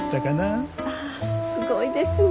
あすごいですね。